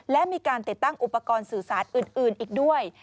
และมีการติดตั้งอุปกรณ์สื่อสารอื่นอีกด้วย